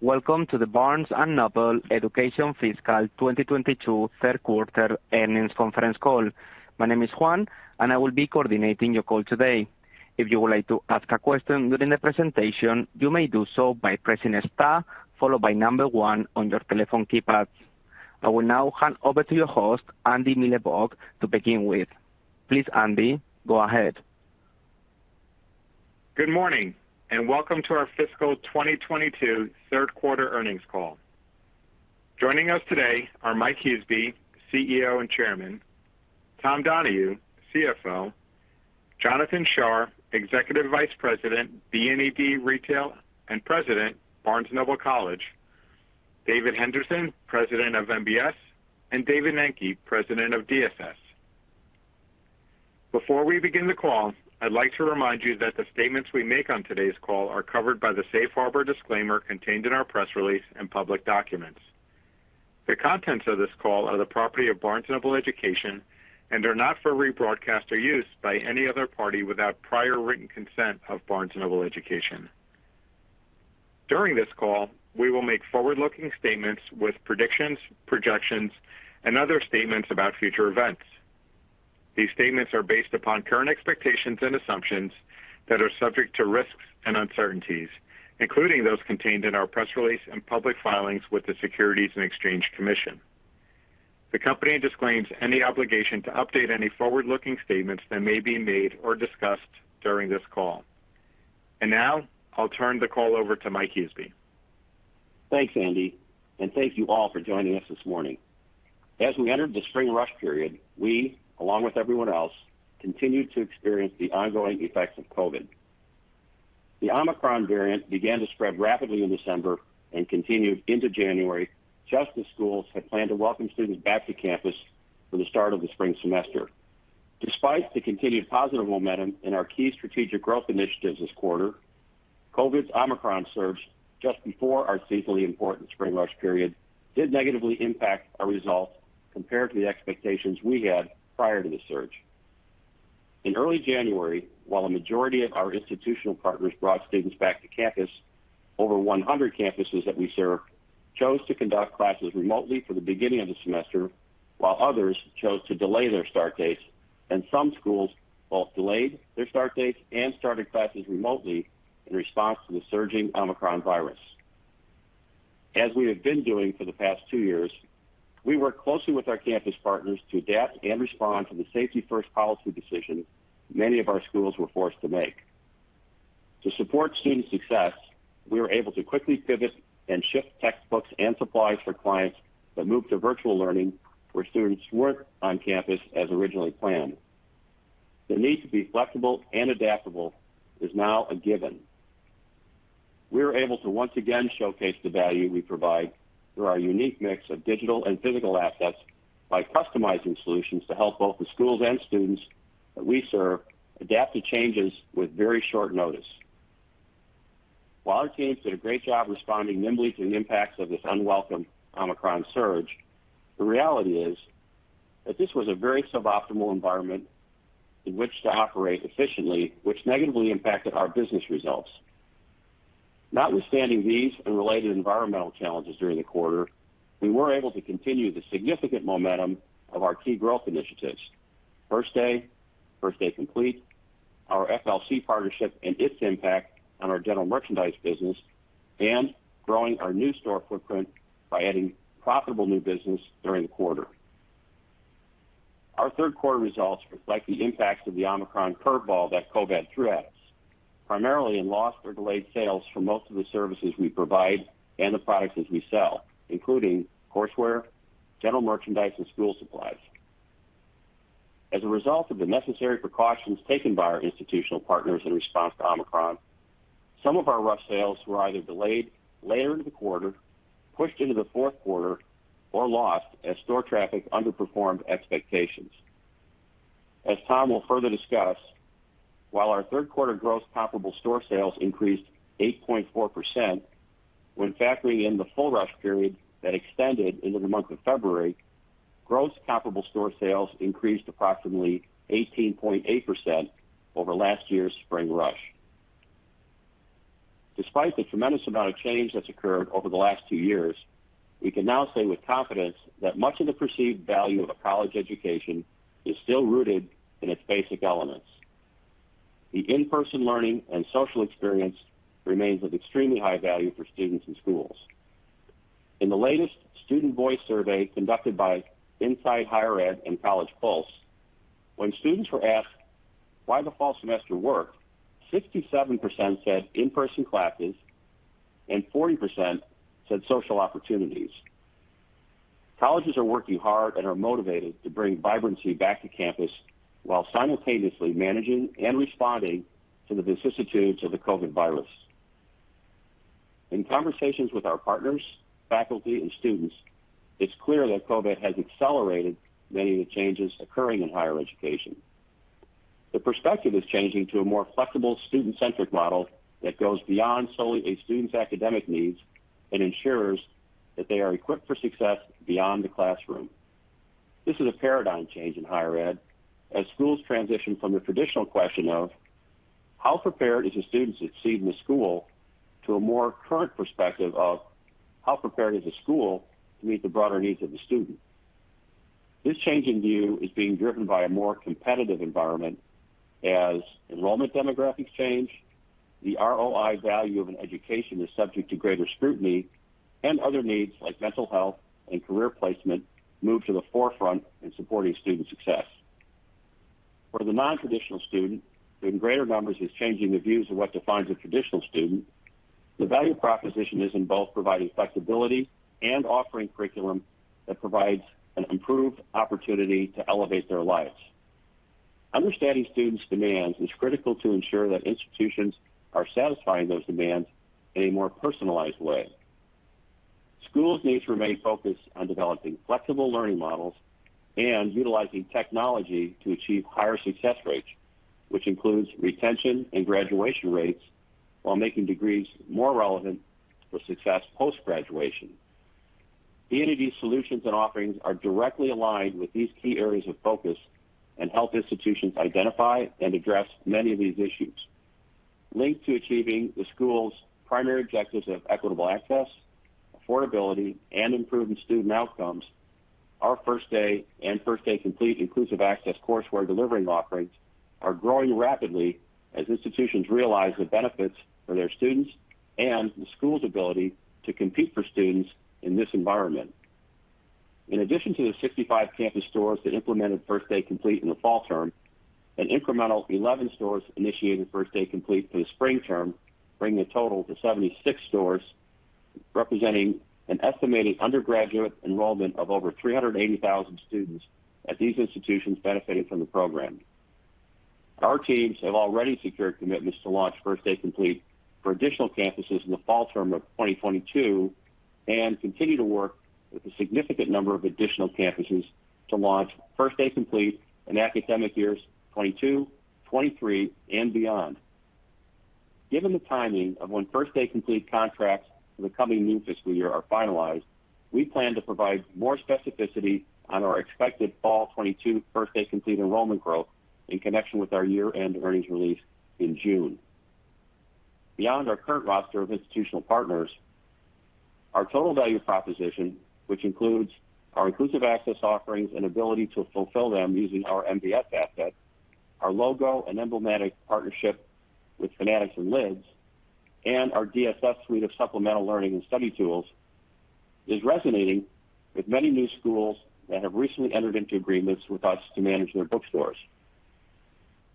Welcome to the Barnes & Noble Education Fiscal 2022 third quarter earnings conference call. My name is Juan, and I will be coordinating your call today. If you would like to ask a question during the presentation, you may do so by pressing star followed by number one on your telephone keypad. I will now hand over to your host, Andy Milevoj, to begin with. Please, Andy, go ahead. Good morning, and welcome to our fiscal 2022 third quarter earnings call. Joining us today are Mike Huseby, CEO and Chairman, Tom Donahue, CFO, Jonathan Shar, Executive Vice President, BNED Retail, and President, Barnes & Noble College, David Henderson, President of MBS, and David Nenke, President of DSS. Before we begin the call, I'd like to remind you that the statements we make on today's call are covered by the safe harbor disclaimer contained in our press release and public documents. The contents of this call are the property of Barnes & Noble Education, and they're not for rebroadcast or use by any other party without prior written consent of Barnes & Noble Education. During this call, we will make forward-looking statements with predictions, projections, and other statements about future events. These statements are based upon current expectations and assumptions that are subject to risks and uncertainties, including those contained in our press release and public filings with the Securities and Exchange Commission. The company disclaims any obligation to update any forward-looking statements that may be made or discussed during this call. Now, I'll turn the call over to Mike Huseby. Thanks, Andy, and thank you all for joining us this morning. As we entered the spring rush period, we, along with everyone else, continued to experience the ongoing effects of COVID. The Omicron variant began to spread rapidly in December and continued into January, just as schools had planned to welcome students back to campus for the start of the spring semester. Despite the continued positive momentum in our key strategic growth initiatives this quarter, COVID's Omicron surge just before our seasonally important spring rush period did negatively impact our results compared to the expectations we had prior to the surge. In early January, while a majority of our institutional partners brought students back to campus, over 100 campuses that we serve chose to conduct classes remotely for the beginning of the semester, while others chose to delay their start dates, and some schools both delayed their start dates and started classes remotely in response to the surging Omicron virus. As we have been doing for the past two years, we work closely with our campus partners to adapt and respond to the safety-first policy decisions many of our schools were forced to make. To support student success, we were able to quickly pivot and ship textbooks and supplies for clients that moved to virtual learning where students weren't on campus as originally planned. The need to be flexible and adaptable is now a given. We were able to once again showcase the value we provide through our unique mix of digital and physical assets by customizing solutions to help both the schools and students that we serve adapt to changes with very short notice. While our teams did a great job responding nimbly to the impacts of this unwelcome Omicron surge, the reality is that this was a very suboptimal environment in which to operate efficiently, which negatively impacted our business results. Notwithstanding these and related environmental challenges during the quarter, we were able to continue the significant momentum of our key growth initiatives, First Day, First Day Complete, our FLC partnership and its impact on our general merchandise business, and growing our new store footprint by adding profitable new business during the quarter. Our third quarter results reflect the impacts of the Omicron curveball that COVID threw at us, primarily in lost or delayed sales for most of the services we provide and the products that we sell, including courseware, general merchandise, and school supplies. As a result of the necessary precautions taken by our institutional partners in response to Omicron, some of our rush sales were either delayed later into the quarter, pushed into the fourth quarter, or lost as store traffic underperformed expectations. As Tom will further discuss, while our third quarter gross comparable store sales increased 8.4%, when factoring in the full rush period that extended into the month of February, gross comparable store sales increased approximately 18.8% over last year's spring rush. Despite the tremendous amount of change that's occurred over the last two years, we can now say with confidence that much of the perceived value of a college education is still rooted in its basic elements. The in-person learning and social experience remains of extremely high value for students and schools. In the latest Student Voice survey conducted by Inside Higher Ed and College Pulse, when students were asked why the fall semester worked, 67% said in-person classes, and 40% said social opportunities. Colleges are working hard and are motivated to bring vibrancy back to campus while simultaneously managing and responding to the vicissitudes of the COVID virus. In conversations with our partners, faculty, and students, it's clear that COVID has accelerated many of the changes occurring in higher education. The perspective is changing to a more flexible, student-centric model that goes beyond solely a student's academic needs and ensures that they are equipped for success beyond the classroom. This is a paradigm change in higher ed as schools transition from the traditional question of how prepared is a student to succeed in the school to a more current perspective of how prepared is a school to meet the broader needs of the student. This change in view is being driven by a more competitive environment as enrollment demographics change, the ROI value of an education is subject to greater scrutiny, and other needs like mental health and career placement move to the forefront in supporting student success. For the non-traditional student, who in greater numbers is changing the views of what defines a traditional student, the value proposition is in both providing flexibility and offering curriculum that provides an improved opportunity to elevate their lives. Understanding students' demands is critical to ensure that institutions are satisfying those demands in a more personalized way. Schools need to remain focused on developing flexible learning models and utilizing technology to achieve higher success rates, which includes retention and graduation rates while making degrees more relevant for success post-graduation. The entity solutions and offerings are directly aligned with these key areas of focus and help institutions identify and address many of these issues. Linked to achieving the school's primary objectives of equitable access, affordability, and improving student outcomes, our First Day and First Day Complete inclusive access courseware delivering offerings are growing rapidly as institutions realize the benefits for their students and the school's ability to compete for students in this environment. In addition to the 65 campus stores that implemented First Day Complete in the fall term, an incremental 11 stores initiated First Day Complete for the spring term, bringing the total to 76 stores, representing an estimated undergraduate enrollment of over 380,000 students at these institutions benefiting from the program. Our teams have already secured commitments to launch First Day Complete for additional campuses in the fall term of 2022 and continue to work with a significant number of additional campuses to launch First Day Complete in academic years 2022, 2023, and beyond. Given the timing of when First Day Complete contracts for the coming new fiscal year are finalized, we plan to provide more specificity on our expected fall 2022 First Day Complete enrollment growth in connection with our year-end earnings release in June. Beyond our current roster of institutional partners, our total value proposition, which includes our inclusive access offerings and ability to fulfill them using our MBS assets, our logo and emblematic partnership with Fanatics and Lids, and our DSS suite of supplemental learning and study tools, is resonating with many new schools that have recently entered into agreements with us to manage their bookstores.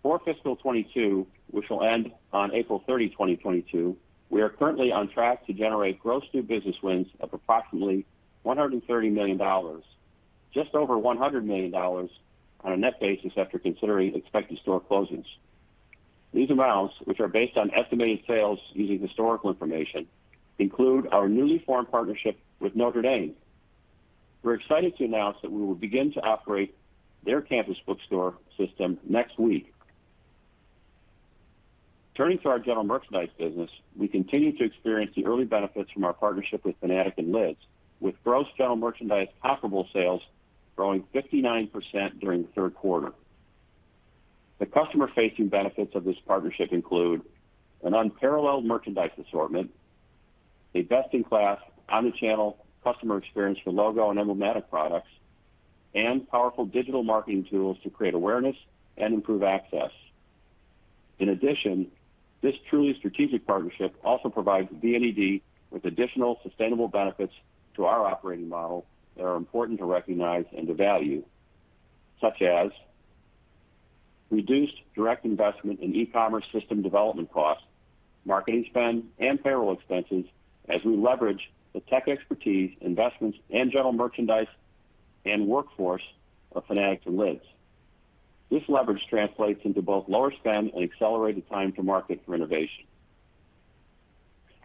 For fiscal 2022, which will end on April 30, 2022, we are currently on track to generate gross new business wins of approximately $130 million, just over $100 million on a net basis after considering expected store closings. These amounts, which are based on estimated sales using historical information, include our newly formed partnership with Notre Dame. We're excited to announce that we will begin to operate their campus bookstore system next week. Turning to our general merchandise business, we continue to experience the early benefits from our partnership with Fanatics and Lids, with gross general merchandise comparable sales growing 59% during the third quarter. The customer-facing benefits of this partnership include an unparalleled merchandise assortment, a best-in-class omni-channel customer experience for logo and emblematic products, and powerful digital marketing tools to create awareness and improve access. In addition, this truly strategic partnership also provides BNED with additional sustainable benefits to our operating model that are important to recognize and to value, such as reduced direct investment in e-commerce system development costs, marketing spend, and payroll expenses as we leverage the tech expertise, investments in general merchandise and workforce of Fanatics and Lids. This leverage translates into both lower spend and accelerated time to market for innovation.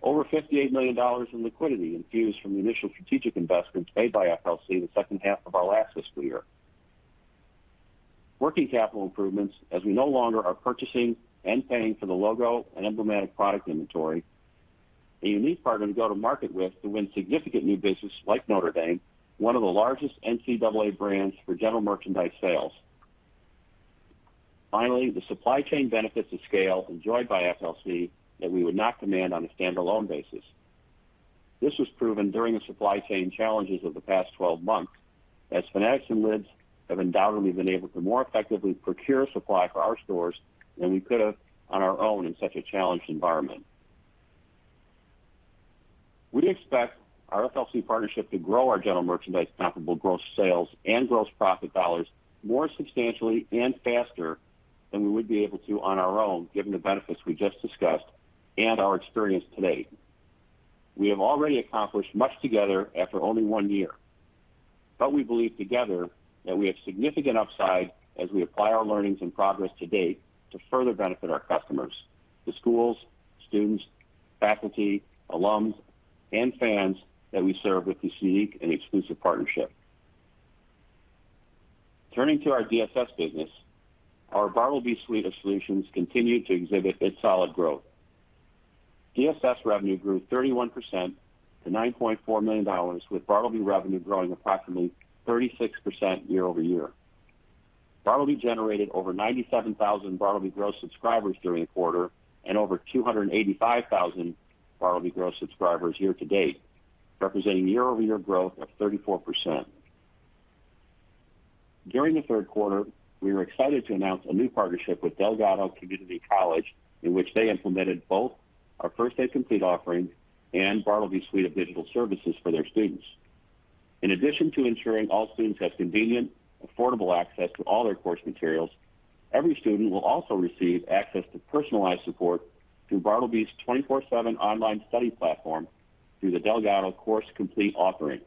Over $58 million in liquidity infused from the initial strategic investments made by FLC in the second half of our last fiscal year. Working capital improvements as we no longer are purchasing and paying for the logo and emblematic product inventory. A unique partner to go to market with to win significant new business like Notre Dame, one of the largest NCAA brands for general merchandise sales. Finally, the supply chain benefits of scale enjoyed by FLC that we would not command on a standalone basis. This was proven during the supply chain challenges of the past 12 months, as Fanatics and Lids have undoubtedly been able to more effectively procure supply for our stores than we could have on our own in such a challenged environment. We expect our FLC partnership to grow our general merchandise comparable gross sales and gross profit dollars more substantially and faster than we would be able to on our own, given the benefits we just discussed and our experience to date. We have already accomplished much together after only one year, but we believe together that we have significant upside as we apply our learnings and progress to date to further benefit our customers, the schools, students, faculty, alums, and fans that we serve with this unique and exclusive partnership. Turning to our DSS business, our Bartleby suite of solutions continue to exhibit its solid growth. DSS revenue grew 31% to $9.4 million, with Bartleby revenue growing approximately 36% year-over-year. Bartleby generated over 97,000 Bartleby Growth subscribers during the quarter and over 285,000 Bartleby Growth subscribers year to date, representing year-over-year growth of 34%. During the third quarter, we were excited to announce a new partnership with Delgado Community College, in which they implemented both our First Day Complete offering and Bartleby's suite of digital services for their students. In addition to ensuring all students have convenient, affordable access to all their course materials, every student will also receive access to personalized support through Bartleby's 24/7 online study platform through the Delgado Course Complete offering.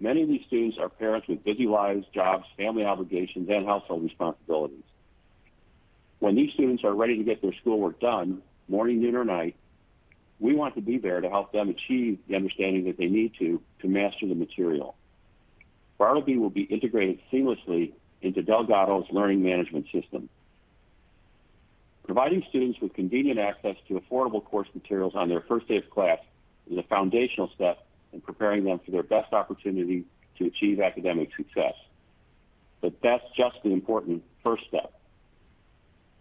Many of these students are parents with busy lives, jobs, family obligations, and household responsibilities. When these students are ready to get their schoolwork done, morning, noon or night, we want to be there to help them achieve the understanding that they need to master the material. Bartleby will be integrated seamlessly into Delgado's learning management system. Providing students with convenient access to affordable course materials on their first day of class is a foundational step in preparing them for their best opportunity to achieve academic success. That's just the important first step.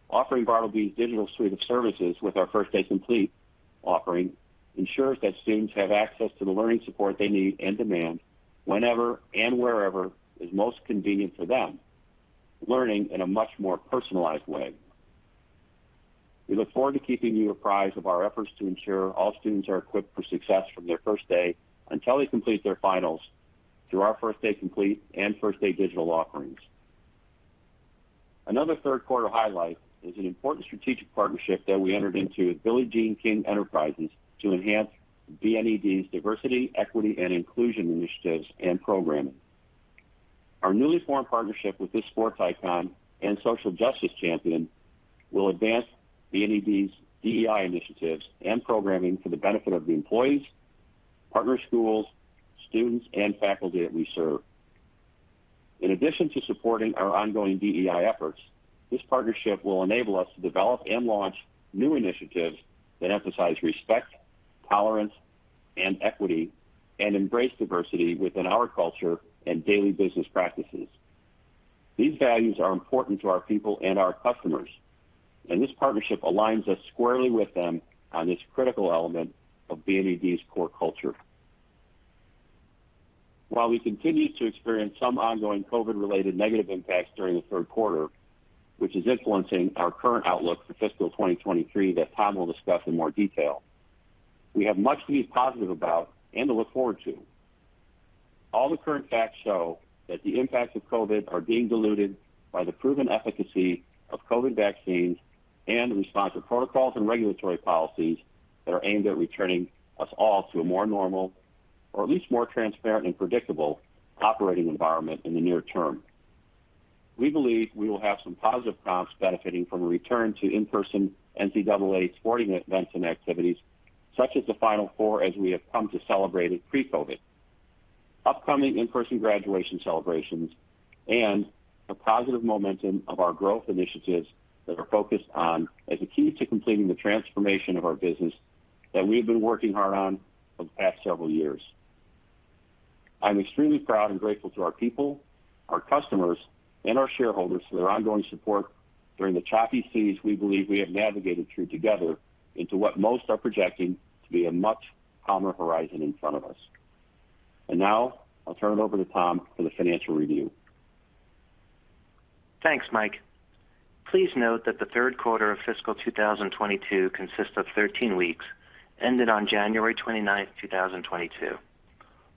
Offering Bartleby's digital suite of services with our First Day Complete offering ensures that students have access to the learning support they need and demand whenever and wherever is most convenient for them, learning in a much more personalized way. We look forward to keeping you apprised of our efforts to ensure all students are equipped for success from their first day until they complete their finals through our First Day Complete and First Day Digital offerings. Another third quarter highlight is an important strategic partnership that we entered into with Billie Jean King Enterprises to enhance BNED's Diversity, Equity and Inclusion initiatives and programming. Our newly formed partnership with this sports icon and social justice champion will advance BNED's DEI initiatives and programming for the benefit of the employees, partner schools, students and faculty that we serve. In addition to supporting our ongoing DEI efforts, this partnership will enable us to develop and launch new initiatives that emphasize respect, tolerance, and equity, and embrace diversity within our culture and daily business practices. These values are important to our people and our customers, and this partnership aligns us squarely with them on this critical element of BNED's core culture. While we continue to experience some ongoing COVID-related negative impacts during the third quarter, which is influencing our current outlook for fiscal 2023 that Tom will discuss in more detail, we have much to be positive about and to look forward to. All the current facts show that the impacts of COVID are being diluted by the proven efficacy of COVID vaccines and responsive protocols and regulatory policies that are aimed at returning us all to a more normal or at least more transparent and predictable operating environment in the near term. We believe we will have some positive comps benefiting from a return to in-person NCAA sporting events and activities such as the Final Four, as we have come to celebrate it pre-COVID, upcoming in-person graduation celebrations and the positive momentum of our growth initiatives that are focused on as a key to completing the transformation of our business that we've been working hard on for the past several years. I'm extremely proud and grateful to our people, our customers, and our shareholders for their ongoing support during the choppy seas we believe we have navigated through together into what most are projecting to be a much calmer horizon in front of us. Now I'll turn it over to Tom for the financial review. Thanks, Mike. Please note that the third quarter of fiscal 2022 consists of 13 weeks ended on January 29th, 2022.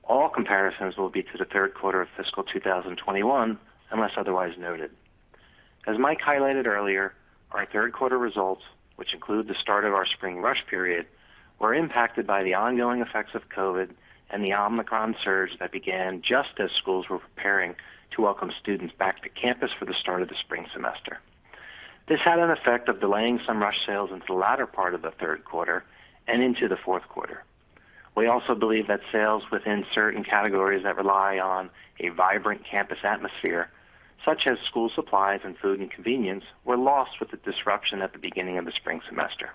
All comparisons will be to the third quarter of fiscal 2021, unless otherwise noted. As Mike highlighted earlier, our third quarter results, which include the start of our spring rush period, were impacted by the ongoing effects of COVID and the Omicron surge that began just as schools were preparing to welcome students back to campus for the start of the spring semester. This had an effect of delaying some rush sales into the latter part of the third quarter and into the fourth quarter. We also believe that sales within certain categories that rely on a vibrant campus atmosphere, such as school supplies and food and convenience, were lost with the disruption at the beginning of the spring semester.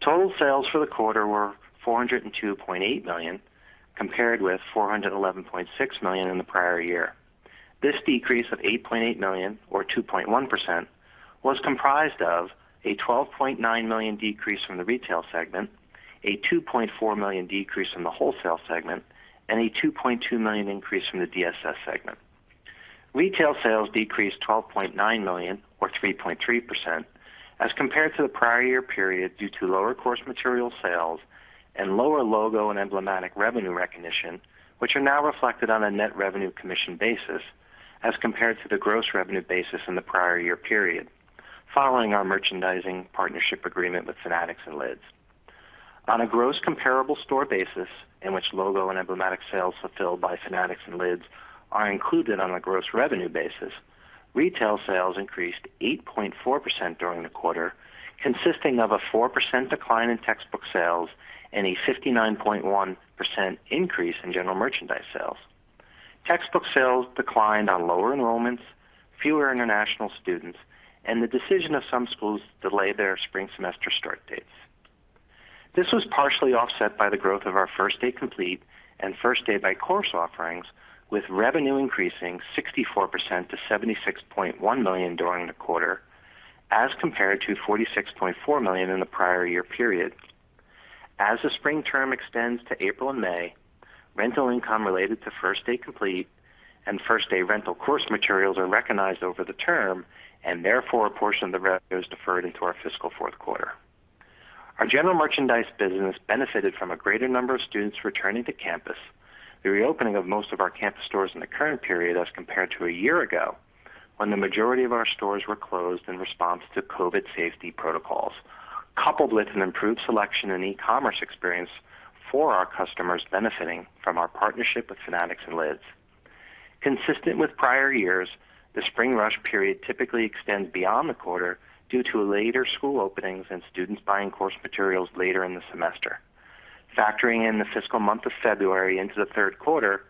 Total sales for the quarter were $402.8 million, compared with $411.6 million in the prior year. This decrease of $8.8 million, or 2.1%, was comprised of a $12.9 million decrease from the retail segment, a $2.4 million decrease from the wholesale segment, and a $2.2 million increase from the DSS segment. Retail sales decreased $12.9 million or 3.3% as compared to the prior year period due to lower course material sales and lower logo and emblematic revenue recognition, which are now reflected on a net revenue commission basis as compared to the gross revenue basis in the prior year period, following our merchandising partnership agreement with Fanatics and Lids. On a gross comparable store basis, in which logo and emblematic sales fulfilled by Fanatics and Lids are included on a gross revenue basis, retail sales increased 8.4% during the quarter, consisting of a 4% decline in textbook sales and a 59.1% increase in general merchandise sales. Textbook sales declined on lower enrollments, fewer international students, and the decision of some schools to delay their spring semester start dates. This was partially offset by the growth of our First Day Complete and First Day by Course offerings, with revenue increasing 64% to $76.1 million during the quarter, as compared to $46.4 million in the prior year period. As the spring term extends to April and May, rental income related to First Day Complete and First Day rental course materials are recognized over the term and therefore a portion of the revenue is deferred into our fiscal fourth quarter. Our general merchandise business benefited from a greater number of students returning to campus, the reopening of most of our campus stores in the current period as compared to a year ago when the majority of our stores were closed in response to COVID safety protocols, coupled with an improved selection and e-commerce experience for our customers benefiting from our partnership with Fanatics and Lids. Consistent with prior years, the spring rush period typically extends beyond the quarter due to later school openings and students buying course materials later in the semester. Factoring in the fiscal month of February into the third quarter,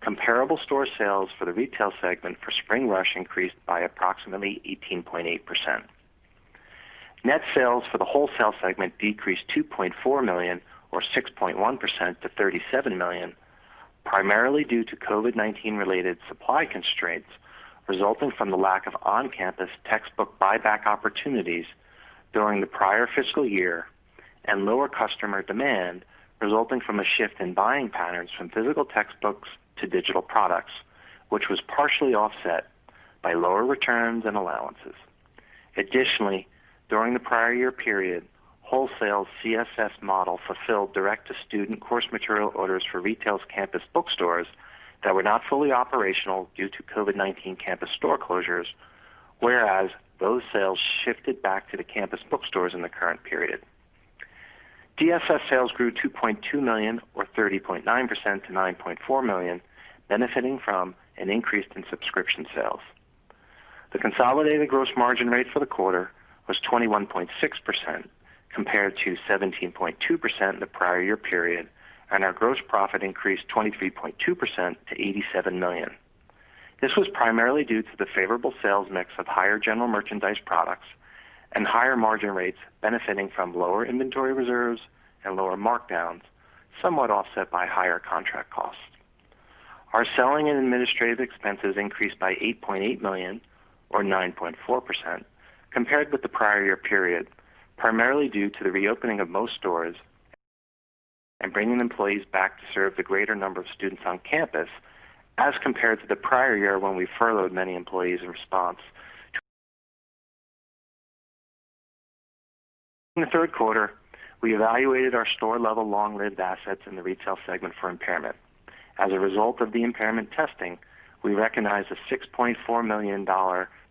comparable store sales for the retail segment for spring rush increased by approximately 18.8%. Net sales for the wholesale segment decreased $2.4 million or 6.1% to $37 million, primarily due to COVID-19 related supply constraints resulting from the lack of on-campus textbook buyback opportunities during the prior fiscal year and lower customer demand resulting from a shift in buying patterns from physical textbooks to digital products, which was partially offset by lower returns and allowances. Additionally, during the prior year period, wholesale CSS model fulfilled direct to student course material orders for retail's campus bookstores that were not fully operational due to COVID-19 campus store closures, whereas those sales shifted back to the campus bookstores in the current period. DSS sales grew $2.2 million or 30.9% to $9.4 million, benefiting from an increase in subscription sales. The consolidated gross margin rate for the quarter was 21.6% compared to 17.2% in the prior year period, and our gross profit increased 23.2% to $87 million. This was primarily due to the favorable sales mix of higher general merchandise products and higher margin rates benefiting from lower inventory reserves and lower markdowns, somewhat offset by higher contract costs. Our selling and administrative expenses increased by $8.8 million or 9.4% compared with the prior year period, primarily due to the reopening of most stores and bringing employees back to serve the greater number of students on campus as compared to the prior year when we furloughed many employees. In the third quarter, we evaluated our store level long-lived assets in the retail segment for impairment. As a result of the impairment testing, we recognized a $6.4 million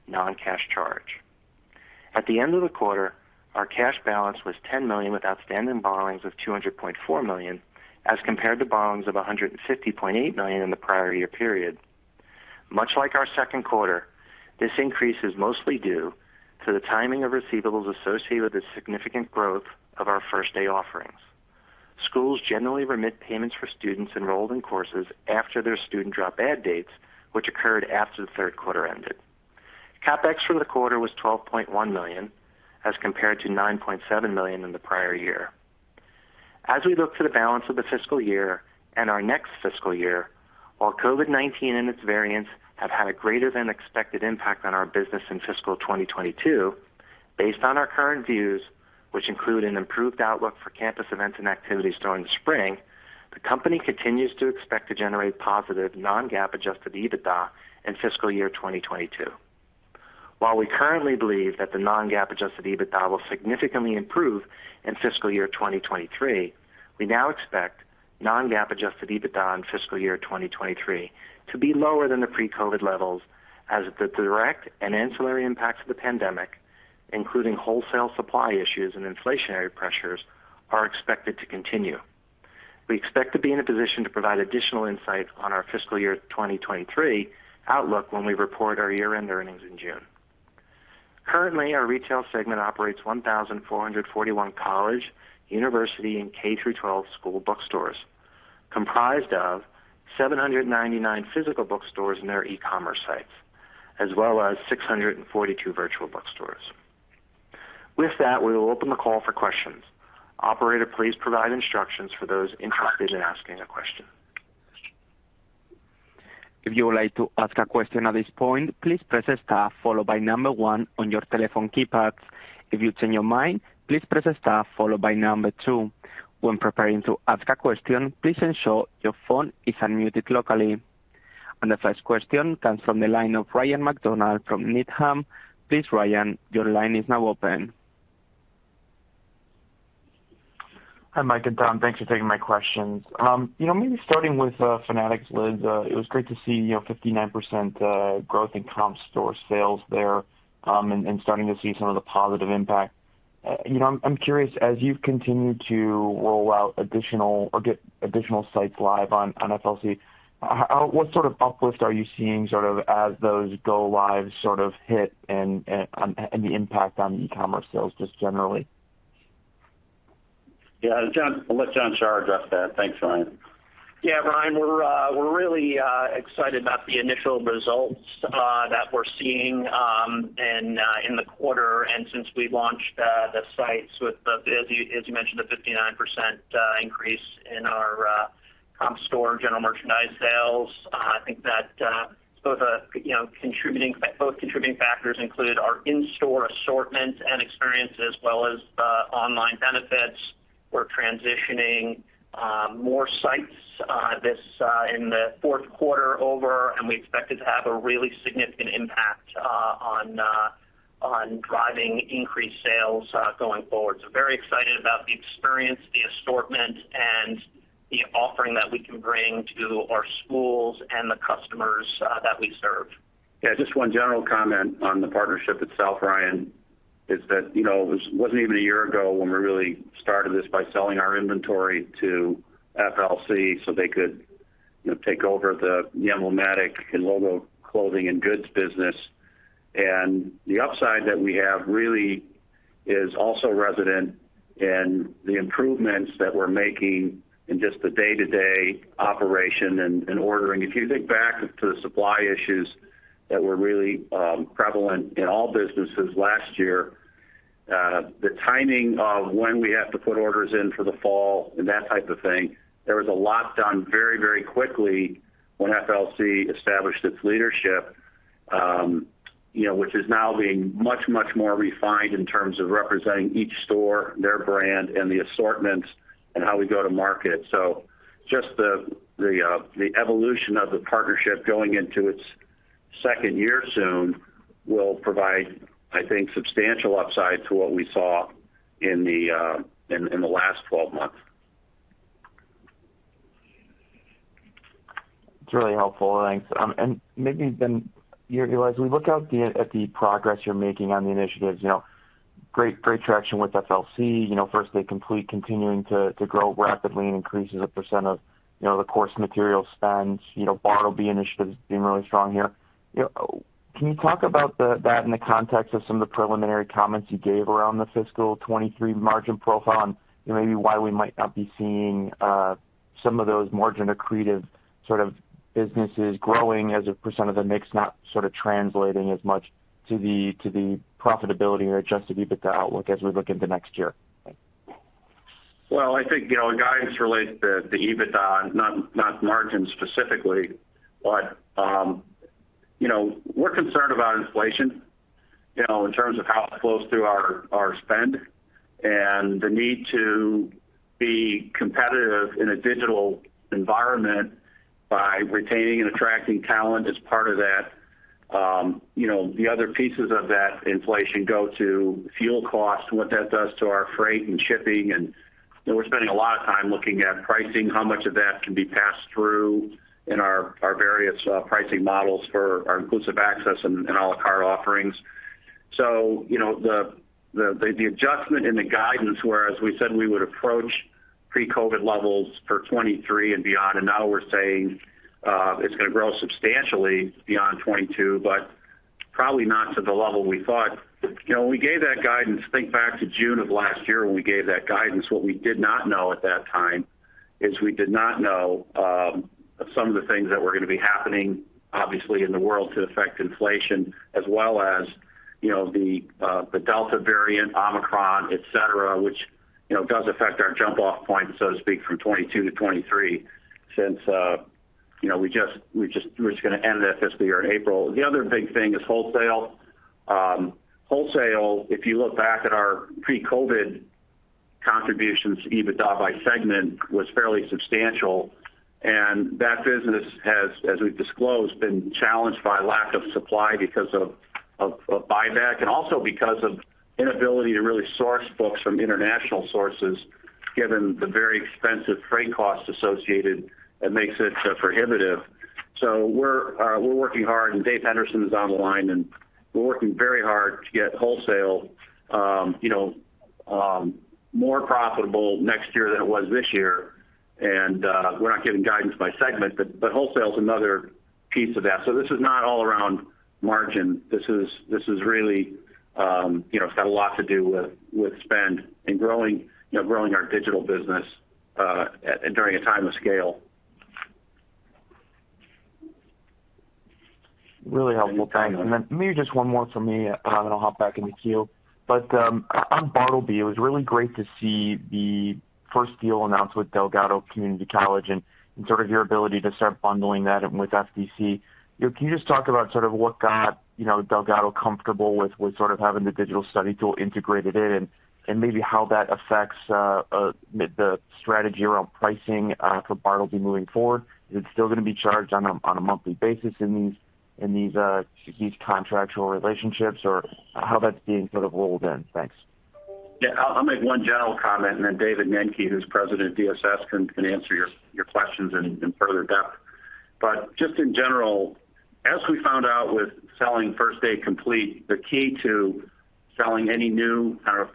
non-cash charge. At the end of the quarter, our cash balance was $10 million, with outstanding borrowings of $200.4 million, as compared to borrowings of $150.8 million in the prior year period. Much like our second quarter, this increase is mostly due to the timing of receivables associated with the significant growth of our First Day offerings. Schools generally remit payments for students enrolled in courses after their student drop add dates, which occurred after the third quarter ended. CapEx for the quarter was $12.1 million, as compared to $9.7 million in the prior year. As we look to the balance of the fiscal year and our next fiscal year, while COVID-19 and its variants have had a greater than expected impact on our business in fiscal 2022, based on our current views, which include an improved outlook for campus events and activities during the spring, the company continues to expect to generate positive non-GAAP adjusted EBITDA in fiscal year 2022. While we currently believe that the non-GAAP adjusted EBITDA will significantly improve in fiscal year 2023, we now expect non-GAAP adjusted EBITDA in fiscal year 2023 to be lower than the pre-COVID levels as the direct and ancillary impacts of the pandemic, including wholesale supply issues and inflationary pressures, are expected to continue. We expect to be in a position to provide additional insights on our fiscal year 2023 outlook when we report our year-end earnings in June. Currently, our retail segment operates 1,441 college, university, and K-12 school bookstores, comprised of 799 physical bookstores and their e-commerce sites, as well as 642 virtual bookstores. With that, we will open the call for questions. Operator, please provide instructions for those interested in asking a question. If you would like to ask a question at this point, please press star followed by number one on your telephone keypad. If you change your mind, please press star followed by number two. When preparing to ask a question, please ensure your phone is unmuted locally. The first question comes from the line of Ryan MacDonald from Needham. Please, Ryan, your line is now open. Hi, Mike and Tom, thanks for taking my questions. You know, maybe starting with Fanatics Lids, it was great to see, you know, 59% growth in comp store sales there, and starting to see some of the positive impact. You know, I'm curious, as you continue to roll out additional or get additional sites live on FLC, what sort of uplift are you seeing sort of as those go live sort of hit and and the impact on e-commerce sales just generally? Yeah, Jon. I'll let Jonathan Shar address that. Thanks, Ryan. Yeah, Ryan, we're really excited about the initial results that we're seeing in the quarter and since we launched the sites with the, as you mentioned, the 59% increase in our comp store general merchandise sales. I think that both, you know, contributing factors included our in-store assortment and experience as well as online benefits. We're transitioning more sites within the fourth quarter over, and we expect it to have a really significant impact on driving increased sales going forward. Very excited about the experience, the assortment, and the offering that we can bring to our schools and the customers that we serve. Yeah. Just one general comment on the partnership itself, Ryan, is that, you know, it wasn't even a year ago when we really started this by selling our inventory to FLC, so they could, you know, take over the yellow jacket and logo clothing and goods business. The upside that we have really is also resident in the improvements that we're making in just the day-to-day operation and ordering. If you think back to the supply issues that were really prevalent in all businesses last year, the timing of when we have to put orders in for the fall and that type of thing, there was a lot done very, very quickly when FLC established its leadership, you know, which is now being much, much more refined in terms of representing each store, their brand and the assortments and how we go to market. Just the evolution of the partnership going into its second year soon will provide, I think, substantial upside to what we saw in the last 12 months. It's really helpful. Thanks. Maybe then you as we look at the progress you're making on the initiatives, you know, great traction with FLC. You know, First Day Complete continuing to grow rapidly and increases the % of, you know, the course material spend. You know, Bartleby initiative is doing really strong here. You know, can you talk about that in the context of some of the preliminary comments you gave around the fiscal 2023 margin profile and, you know, maybe why we might not be seeing some of those margin accretive sort of businesses growing as a % of the mix, not sort of translating as much to the profitability or adjusted EBITDA outlook as we look into next year? Well, I think, you know, the guidance relates to EBITDA, not margin specifically. You know, we're concerned about inflation, you know, in terms of how it flows through our spend and the need to be competitive in a digital environment by retaining and attracting talent as part of that. You know, the other pieces of that inflation go to fuel costs and what that does to our freight and shipping. You know, we're spending a lot of time looking at pricing, how much of that can be passed through in our various pricing models for our inclusive access and a la carte offerings. You know, the adjustment in the guidance whereas we said we would approach pre-COVID levels for 2023 and beyond, and now we're saying it's gonna grow substantially beyond 2022, but probably not to the level we thought. You know, when we gave that guidance, think back to June of last year when we gave that guidance. What we did not know at that time is some of the things that were gonna be happening, obviously in the world to affect inflation as well as you know the Delta variant, Omicron, et cetera, which you know does affect our jump off point, so to speak, from 2022 to 2023 since you know we're just gonna end the fiscal year in April. The other big thing is wholesale. Wholesale, if you look back at our pre-COVID contributions, EBITDA by segment was fairly substantial. That business has, as we've disclosed, been challenged by lack of supply because of buyback and also because of inability to really source books from international sources, given the very expensive freight costs associated that makes it prohibitive. We're working hard, and David Henderson is on the line, and we're working very hard to get wholesale you know more profitable next year than it was this year. We're not giving guidance by segment, but wholesale is another piece of that. This is not all around margin. This is really you know it's got a lot to do with spend and growing you know our digital business during a time of scale. Really helpful. Thanks. Then maybe just one more from me, and then I'll hop back in the queue. On Bartleby, it was really great to see the first deal announced with Delgado Community College and sort of your ability to start bundling that in with FDC. You know, can you just talk about sort of what got, you know, Delgado comfortable with sort of having the digital study tool integrated in and maybe how that affects the strategy around pricing for Bartleby moving forward? Is it still gonna be charged on a monthly basis in these contractual relationships, or how that's being sort of rolled in? Thanks. Yeah. I'll make one general comment, and then David Nenke, who's president of DSS, can answer your questions in further depth. Just in general, as we found out with selling First Day Complete, the key to selling any new kind of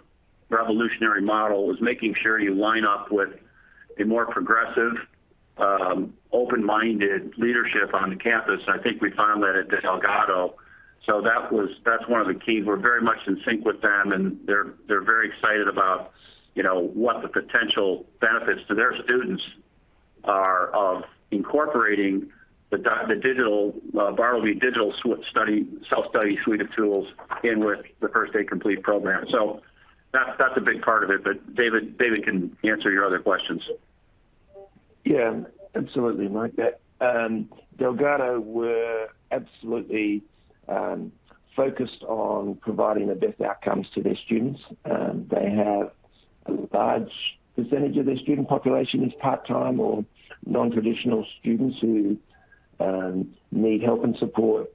revolutionary model is making sure you line up with a more progressive, open-minded leadership on the campus. I think we found that at Delgado. That was that's one of the key. We're very much in sync with them, and they're very excited about, you know, what the potential benefits to their students are of incorporating the digital bartleby self-study suite of tools in with the First Day Complete program. That's a big part of it. David can answer your other questions. Yeah, absolutely, Mike. Delgado were absolutely focused on providing the best outcomes to their students. They have a large percentage of their student population is part-time or non-traditional students who need help and support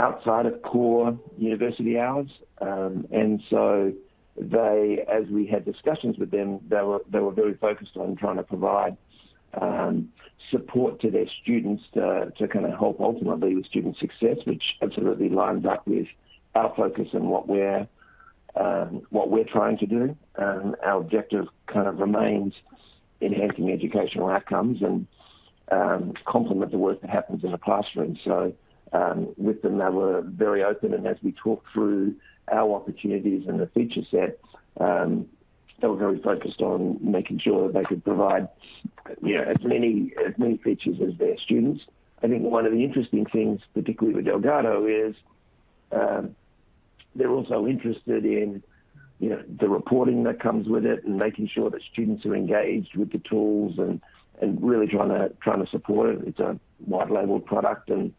outside of core university hours. As we had discussions with them, they were very focused on trying to provide support to their students to kinda help ultimately with student success, which absolutely lines up with our focus and what we're trying to do. Our objective kind of remains enhancing educational outcomes and complement the work that happens in the classroom. With them, they were very open, and as we talked through our opportunities and the feature set, they were very focused on making sure that they could provide, you know, as many features as their students. I think one of the interesting things, particularly with Delgado, is they're also interested in, you know, the reporting that comes with it and making sure that students are engaged with the tools and really trying to support it. It's a white labeled product and,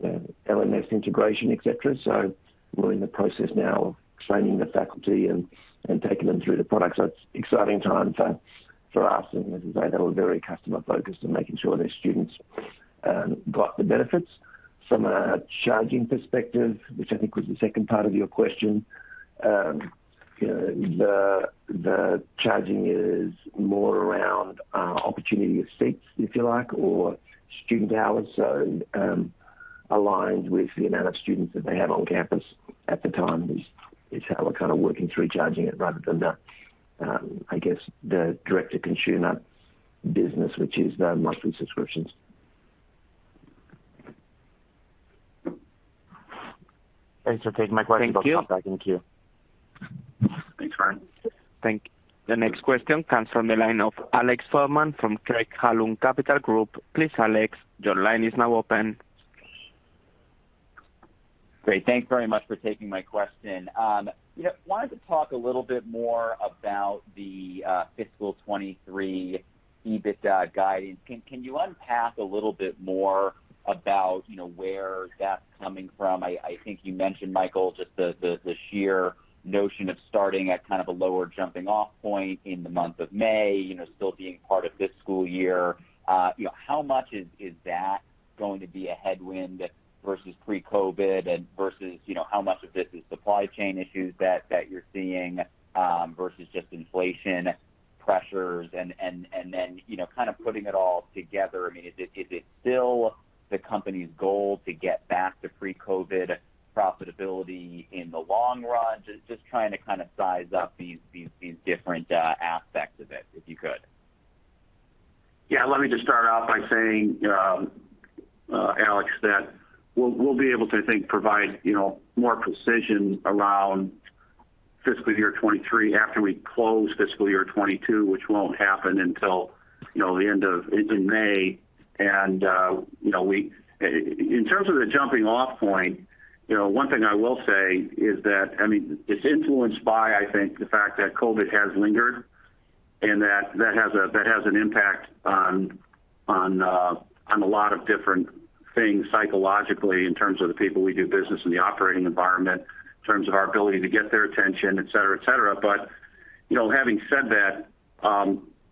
you know, LMS integration, et cetera. We're in the process now of training the faculty and taking them through the product. It's exciting times for us. As I say, they were very customer-focused and making sure their students got the benefits. From a charging perspective, which I think was the second part of your question, you know, the charging is more around opportunity of seats, if you like, or student hours, so aligned with the amount of students that they have on campus at the time is how we're kinda working through charging it rather than the, I guess, the direct-to-consumer business, which is the monthly subscriptions. Thanks for taking my question. Thank you. I'll pop back in queue. Thanks, Ryan. Thank you. The next question comes from the line of Alex Fuhrman from Craig-Hallum Capital Group. Please, Alex, your line is now open. Great. Thank you very much for taking my question. You know, wanted to talk a little bit more about the fiscal 2023 EBITDA guidance. Can you unpack a little bit more about, you know, where that's coming from? I think you mentioned, Mike, just the sheer notion of starting at kind of a lower jumping off point in the month of May, you know, still being part of this school year. You know, how much is that going to be a headwind versus pre-COVID and versus, you know, how much of this is supply chain issues that you're seeing versus just inflation pressures? And then, you know, kind of putting it all together, I mean, is it still the company's goal to get back to pre-COVID profitability in the long run? Just trying to kinda size up these different aspects of it, if you could. Yeah. Let me just start off by saying, Alex, that we'll be able to, I think, provide, you know, more precision around fiscal year 2023 after we close fiscal year 2022, which won't happen until, you know, it's in May. In terms of the jumping off point, you know, one thing I will say is that, I mean, it's influenced by, I think, the fact that COVID has lingered and that has an impact on a lot of different things psychologically in terms of the people we do business with in the operating environment, in terms of our ability to get their attention, et cetera, et cetera. You know, having said that,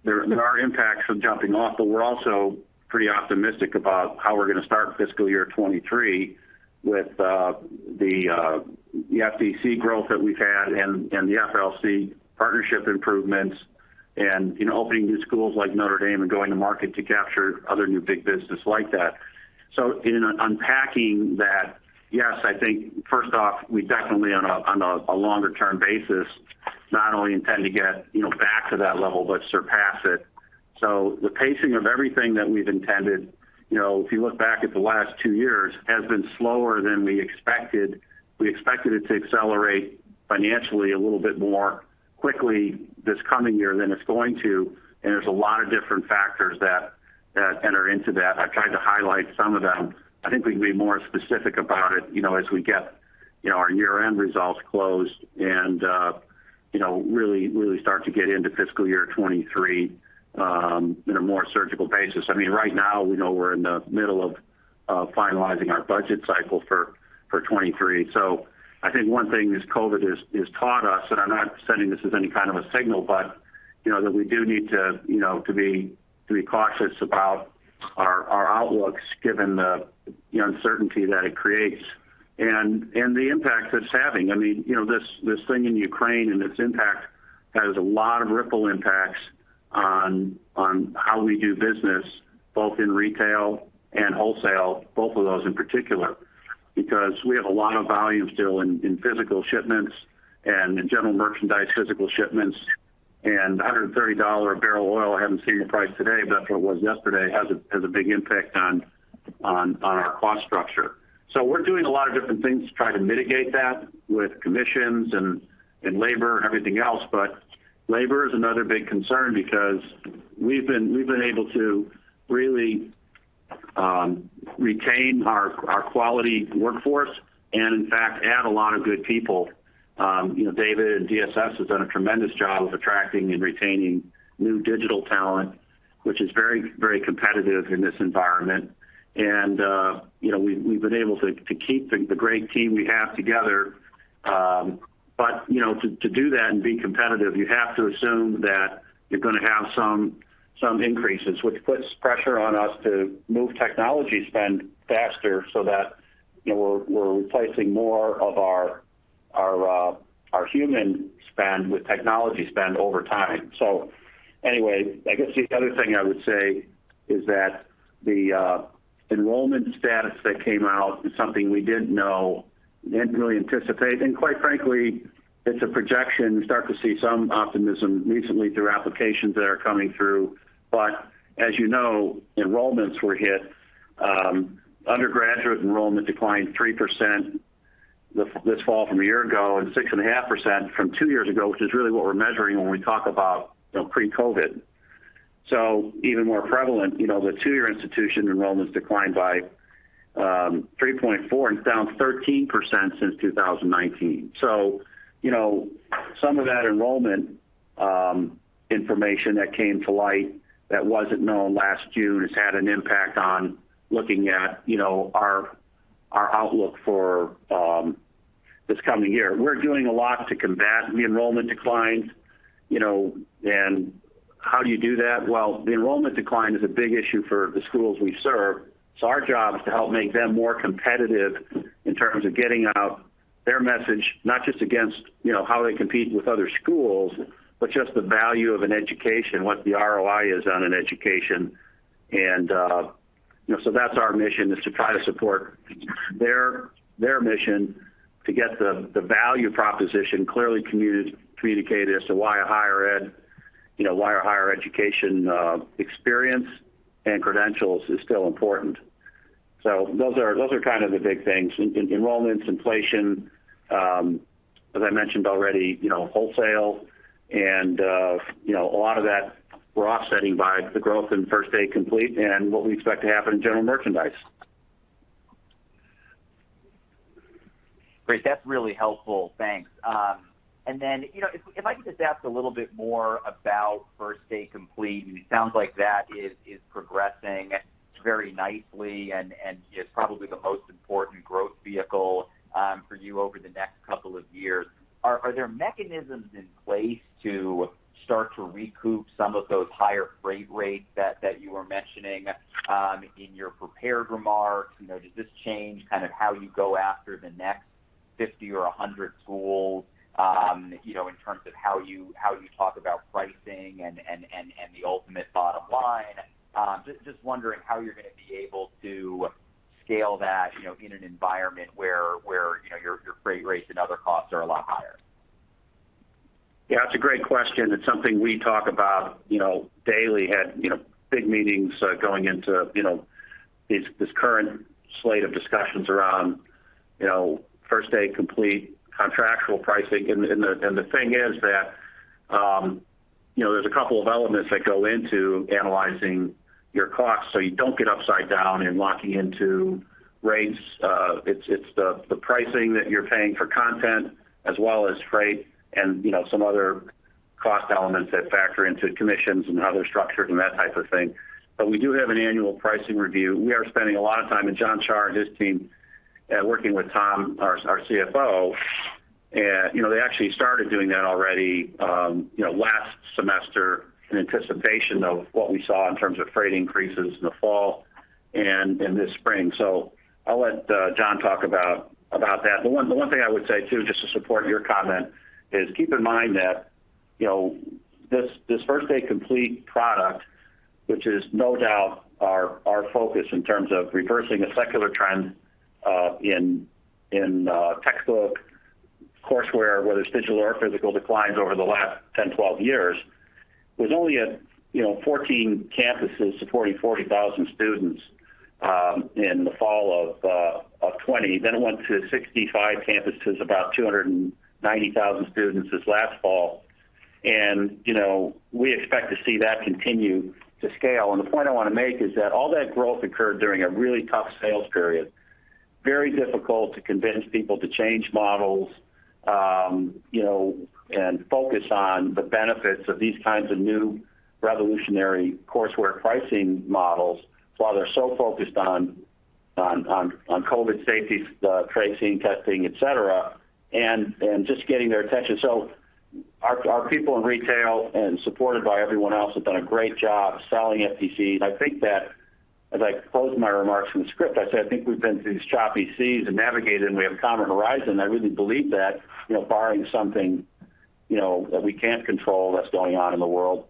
there are impacts from jumping off, but we're also pretty optimistic about how we're gonna start fiscal year 2023 with the FDC growth that we've had and the FLC partnership improvements and, you know, opening new schools like Notre Dame and going to market to capture other new big business like that. In unpacking that, yes, I think first off, we definitely on a longer term basis, not only intend to get, you know, back to that level but surpass it. The pacing of everything that we've intended, you know, if you look back at the last two years, has been slower than we expected. We expected it to accelerate financially a little bit more quickly this coming year than it's going to, and there's a lot of different factors that enter into that. I've tried to highlight some of them. I think we can be more specific about it, you know, as we get, you know, our year-end results closed and, you know, really start to get into fiscal year 2023, in a more surgical basis. I mean, right now we know we're in the middle of finalizing our budget cycle for 2023. I think one thing this COVID has taught us, and I'm not sending this as any kind of a signal, but, you know, that we do need to, you know, to be cautious about our outlooks given the uncertainty that it creates and the impact it's having. I mean, you know, this thing in Ukraine and its impact has a lot of ripple impacts on how we do business both in retail and wholesale, both of those in particular. Because we have a lot of volume still in physical shipments and in general merchandise physical shipments and $130-a-barrel oil, I haven't seen the price today, but that's what it was yesterday, has a big impact on our cost structure. We're doing a lot of different things to try to mitigate that with commissions and labor and everything else. Labor is another big concern because we've been able to really retain our quality workforce and in fact, add a lot of good people. You know, David Nenke and DSS has done a tremendous job of attracting and retaining new digital talent, which is very, very competitive in this environment. You know, we've been able to keep the great team we have together. You know, to do that and be competitive, you have to assume that you're gonna have some increases, which puts pressure on us to move technology spend faster so that, you know, we're replacing more of our human spend with technology spend over time. Anyway, I guess the other thing I would say is that the enrollment status that came out is something we didn't know, didn't really anticipate. Quite frankly, it's a projection. We start to see some optimism recently through applications that are coming through. As you know, enrollments were hit. Undergraduate enrollment declined 3% this fall from a year ago, and 6.5% from two years ago, which is really what we're measuring when we talk about, you know, pre-COVID. Even more prevalent, you know, the two-year institution enrollments declined by 3.4% and down 13% since 2019. Some of that enrollment, you know, information that came to light that wasn't known last June has had an impact on looking at, you know, our outlook for this coming year. We're doing a lot to combat the enrollment declines, you know, and how do you do that? Well, the enrollment decline is a big issue for the schools we serve. Our job is to help make them more competitive in terms of getting out their message, not just against, you know, how they compete with other schools, but just the value of an education, what the ROI is on an education. You know, that's our mission, is to try to support their mission to get the value proposition clearly communicated as to why a higher ed, you know, why a higher education experience and credentials is still important. Those are kind of the big things. Enrollments, inflation, as I mentioned already, you know, wholesale and, you know, a lot of that we're offsetting by the growth in First Day Complete and what we expect to happen in general merchandise. Great. That's really helpful. Thanks. You know, if I could just ask a little bit more about First Day Complete. I mean, it sounds like that is progressing very nicely and is probably the most important growth vehicle for you over the next couple of years. Are there mechanisms in place to start to recoup some of those higher freight rates that you were mentioning in your prepared remarks? You know, does this change kind of how you go after the next 50 or 100 schools, you know, in terms of how you talk about pricing and the ultimate bottom line? Just wondering how you're gonna be able to scale that, you know, in an environment where you know, your freight rates and other costs are a lot higher. Yeah, it's a great question. It's something we talk about, you know, daily. We had big meetings going into this current slate of discussions around First Day Complete contractual pricing, and the thing is that, you know, there's a couple of elements that go into analyzing your costs so you don't get upside down in locking into rates. It's the pricing that you're paying for content as well as freight and, you know, some other cost elements that factor into commissions and how they're structured and that type of thing. We do have an annual pricing review. We are spending a lot of time, and Jon Shar and his team are working with Tom, our CFO. You know, they actually started doing that already, last semester in anticipation of what we saw in terms of freight increases in the fall and in the spring. I'll let Jon talk about that. The one thing I would say, too, just to support your comment, is keep in mind that, you know, this First Day Complete product, which is no doubt our focus in terms of reversing a secular trend in textbook courseware, whether it's digital or physical declines over the last 10, 12 years, was only at, you know, 14 campuses supporting 40,000 students in the fall of 2020. Then it went to 65 campuses, about 290,000 students this last fall. You know, we expect to see that continue to scale. The point I wanna make is that all that growth occurred during a really tough sales period. Very difficult to convince people to change models, you know, and focus on the benefits of these kinds of new revolutionary courseware pricing models while they're so focused on COVID safety, tracing, testing, et cetera, and just getting their attention. Our people in retail and supported by everyone else have done a great job selling FDC. I think that as I closed my remarks from the script, I said, I think we've been through these choppy seas and navigated, and we have a common horizon. I really believe that, you know, barring something, you know, that we can't control what's going on in the world,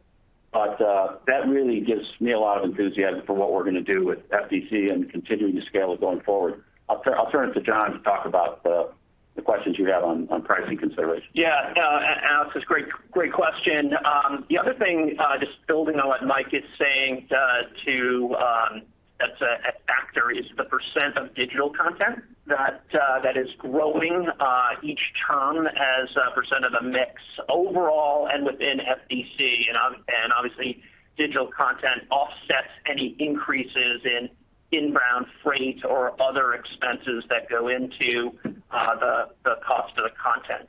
that really gives me a lot of enthusiasm for what we're gonna do with FDC and continuing to scale it going forward. I'll turn it to Jon to talk about the questions you had on pricing considerations. Yeah. Alex, it's great question. The other thing, just building on what Mike is saying, that's a factor is the % of digital content that is growing each term as a % of the mix overall and within FDC. Obviously, digital content offsets any increases in inbound freight or other expenses that go into the cost of the content.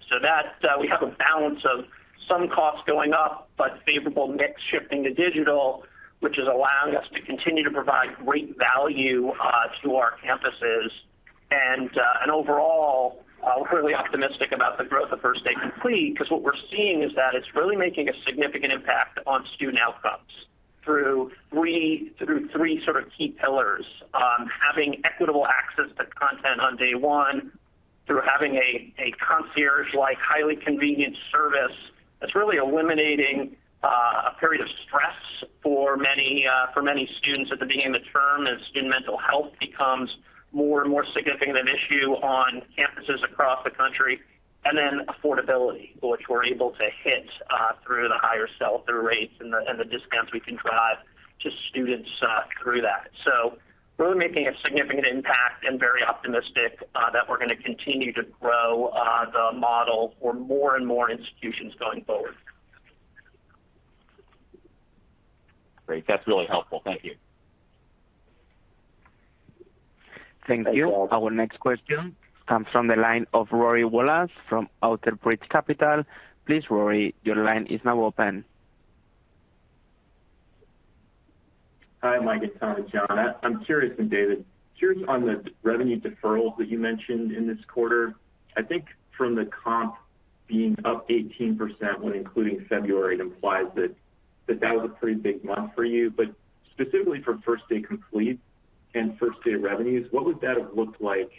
That we have a balance of some costs going up, but favorable mix shifting to digital, which is allowing us to continue to provide great value to our campuses. Overall, we're really optimistic about the growth of First Day Complete, 'cause what we're seeing is that it's really making a significant impact on student outcomes through three sort of key pillars. Having equitable access to content on day one, through having a concierge-like highly convenient service that's really eliminating a period of stress for many students at the beginning of the term as student mental health becomes more and more significant an issue on campuses across the country. Then affordability, which we're able to hit through the higher sell-through rates and the discounts we can drive to students through that. We're making a significant impact and very optimistic that we're gonna continue to grow the model for more and more institutions going forward. Great. That's really helpful. Thank you. Thank you. Thanks, Alex. Our next question comes from the line of Rory Wallace from Outerbridge Capital. Please, Rory, your line is now open. Hi, Mike, Tom, and Jonathan. I'm curious on the revenue deferrals that you mentioned in this quarter. I think from the comp being up 18% when including February, it implies that was a pretty big month for you. Specifically for First Day Complete and First Day revenues, what would that have looked like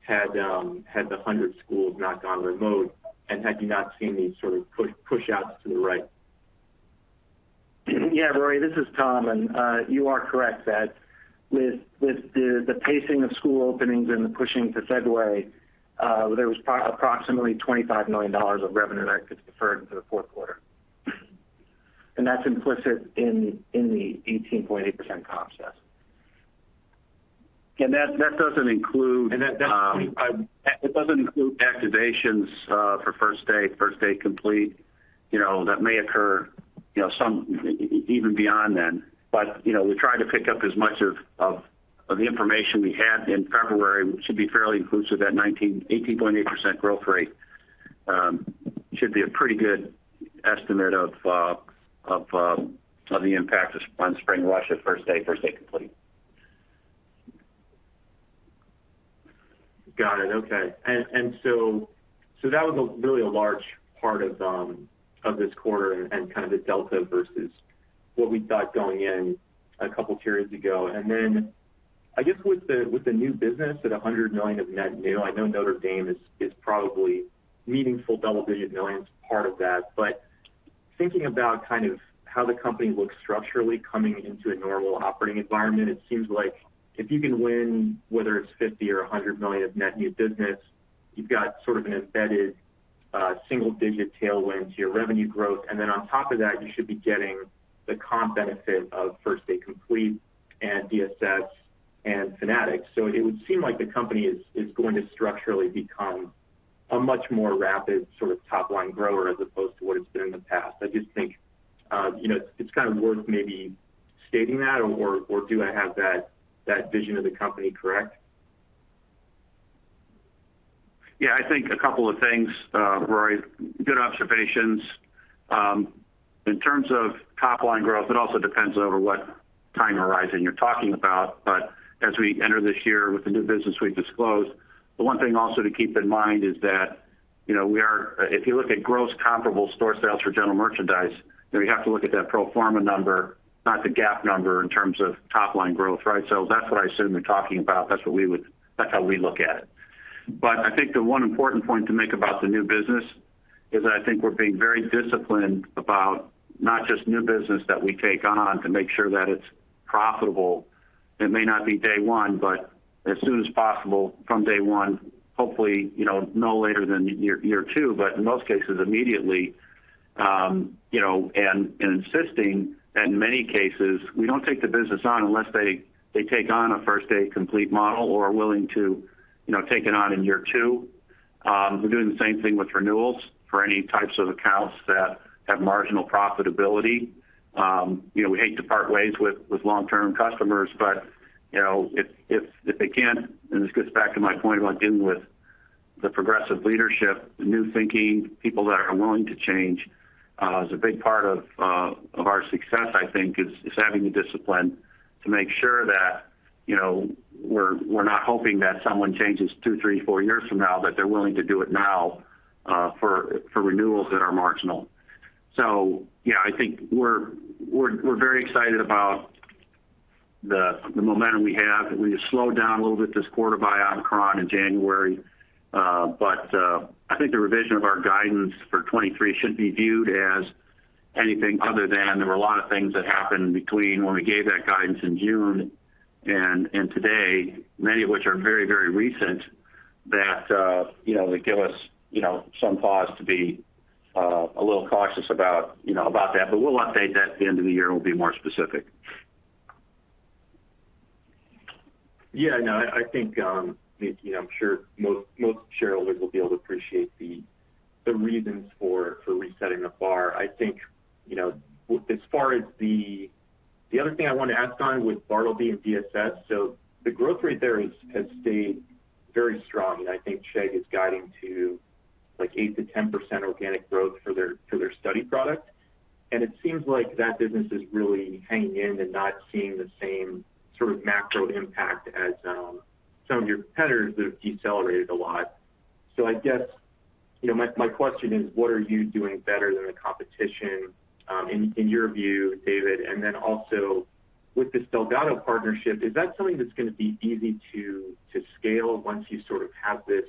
had the 100 schools not gone remote and had you not seen these sort of pushouts to the right? Yeah, Rory, this is Tom. You are correct that with the pacing of school openings and the pushing to February, there was approximately $25 million of revenue that gets deferred into the fourth quarter. That's implicit in the 18.8% comp set. ...that doesn't include That point doesn't include activations for First Day, First Day Complete, you know, that may occur, you know, some even beyond then. We try to pick up as much of the information we had in February, which should be fairly inclusive. That 18.8% growth rate should be a pretty good estimate of the impact of spring on spring rush at First Day, First Day Complete. Got it. Okay. That was a really large part of this quarter and kind of the delta versus what we thought going in a couple periods ago. I guess with the new business at $100 million of net new, I know Notre Dame is probably meaningful double-digit millions part of that. Thinking about kind of how the company looks structurally coming into a normal operating environment, it seems like if you can win, whether it's 50 or 100 million of net new business, you've got sort of an embedded single digit tailwind to your revenue growth. On top of that, you should be getting the comp benefit of First Day Complete and DSS and Fanatics. It would seem like the company is going to structurally become a much more rapid sort of top line grower as opposed to what it's been in the past. I just think, you know, it's kind of worth maybe stating that or do I have that vision of the company correct? Yeah. I think a couple of things, Rory. Good observations. In terms of top line growth, it also depends over what time horizon you're talking about. As we enter this year with the new business we've disclosed, the one thing also to keep in mind is that, you know, if you look at gross comparable store sales for general merchandise, then we have to look at that pro forma number, not the GAAP number in terms of top line growth, right? That's what I assume you're talking about. That's how we look at it. I think the one important point to make about the new business is that I think we're being very disciplined about not just new business that we take on to make sure that it's profitable. It may not be day one, but as soon as possible from day one, hopefully, you know, no later than year two, but in most cases immediately. You know, insisting in many cases, we don't take the business on unless they take on a First Day Complete model or are willing to, you know, take it on in year two. We're doing the same thing with renewals for any types of accounts that have marginal profitability. You know, we hate to part ways with long-term customers, but you know, if they can't, and this gets back to my point about dealing with the progressive leadership, the new thinking, people that are willing to change, is a big part of our success, I think, is having the discipline to make sure that you know, we're very excited about The momentum we have we just slowed down a little bit this quarter by Omicron in January, but I think the revision of our guidance for 2023 shouldn't be viewed as anything other than there were a lot of things that happened between when we gave that guidance in June and today, many of which are very, very recent that you know they give us you know some pause to be a little cautious about you know about that. We'll update that at the end of the year, we'll be more specific. I think, Mike Huseby, I'm sure most shareholders will be able to appreciate the reasons for resetting the bar. I think you know as far as the other thing I want to ask on with Bartleby and DSS. The growth rate there has stayed very strong. I think Chegg is guiding to like 8%-10% organic growth for their study product. It seems like that business is really hanging in and not seeing the same sort of macro impact as some of your competitors that have decelerated a lot. I guess you know my question is what are you doing better than the competition in your view, David? With this Delgado partnership, is that something that's gonna be easy to scale once you sort of have this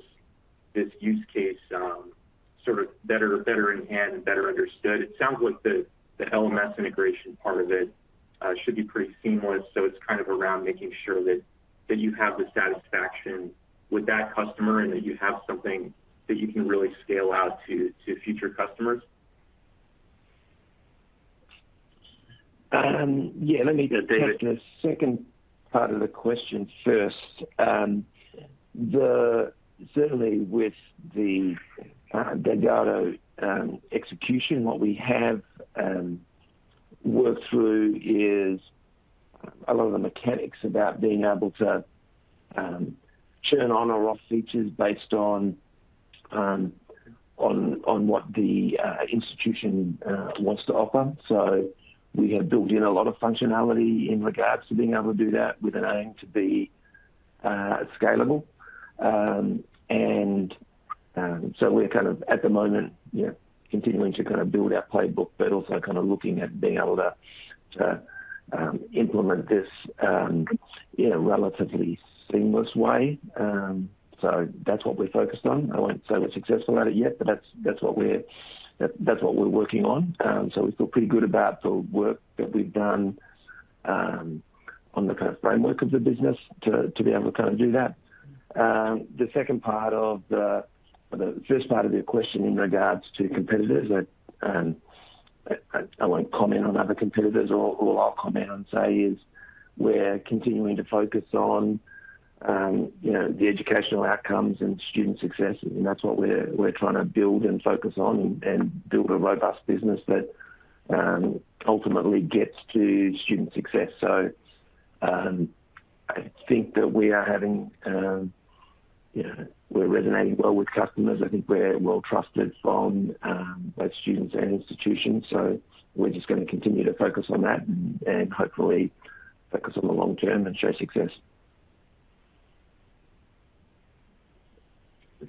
use case sort of better in hand and better understood? It sounds like the LMS integration part of it should be pretty seamless. It's kind of around making sure that you have the satisfaction with that customer and that you have something that you can really scale out to future customers. Yeah, let me take the second part of the question first. Certainly with the Delgado execution, what we have worked through is a lot of the mechanics about being able to turn on or off features based on on what the institution wants to offer. We have built in a lot of functionality in regards to being able to do that with an aim to be scalable, and we're kind of at the moment, yeah, continuing to kind of build our playbook, but also kind of looking at being able to implement this in a relatively seamless way. That's what we're focused on. I won't say we're successful at it yet, but that's what we're working on. We feel pretty good about the work that we've done on the kind of framework of the business to be able to kind of do that. The first part of your question in regards to competitors. I won't comment on other competitors. All I'll comment on and say is we're continuing to focus on you know the educational outcomes and student success. That's what we're trying to build and focus on and build a robust business that ultimately gets to student success. I think that we are having you know we're resonating well with customers. I think we're well trusted from both students and institutions. We're just gonna continue to focus on that and hopefully focus on the long term and show success.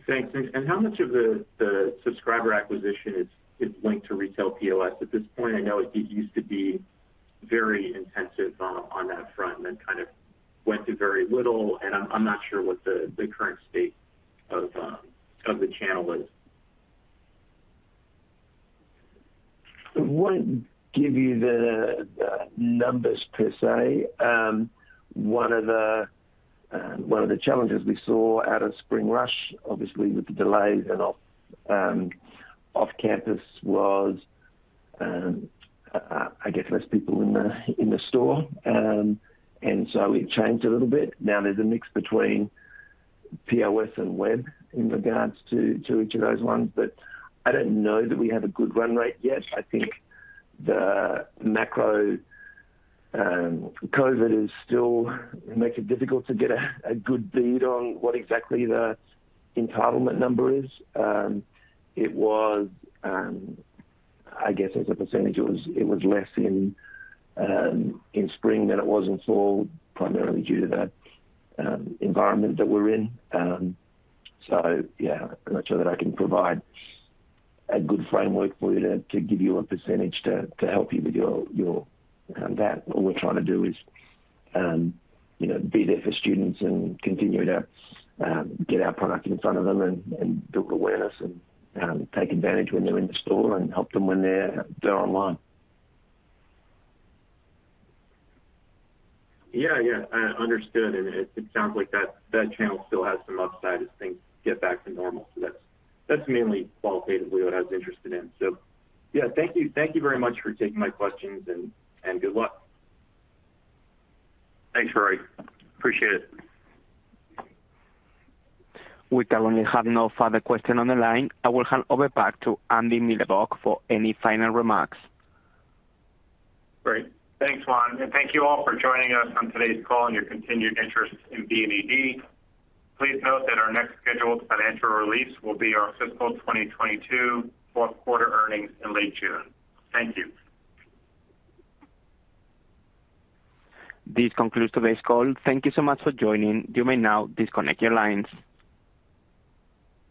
Thanks. How much of the subscriber acquisition is linked to retail POS at this point? I know it used to be very intensive on that front and then kind of went to very little, and I'm not sure what the current state of the channel is. I won't give you the numbers per se. One of the challenges we saw out of Spring Rush, obviously with the delays and off campus was, I guess less people in the store. It changed a little bit. Now there's a mix between POS and web in regards to each of those ones, but I don't know that we have a good run rate yet. I think the macro COVID is still makes it difficult to get a good bead on what exactly the entitlement number is. It was, I guess as a percentage, it was less in spring than it was in fall, primarily due to that environment that we're in. Yeah, I'm not sure that I can provide a good framework for you to give you a percentage to help you with your that. All we're trying to do is, you know, be there for students and continue to get our product in front of them and build awareness and take advantage when they're in the store and help them when they're online. Yeah, yeah. I understood. It sounds like that channel still has some upside as things get back to normal. That's mainly qualitatively what I was interested in. Yeah. Thank you. Thank you very much for taking my questions and good luck. Thanks, Rory. Appreciate it. We currently have no further question on the line. I will hand over back to Andy Milevoj for any final remarks. Great. Thanks, Juan. Thank you all for joining us on today's call and your continued interest in BNED. Please note that our next scheduled financial release will be our fiscal 2022 fourth quarter earnings in late June. Thank you. This concludes today's call. Thank you so much for joining. You may now disconnect your lines.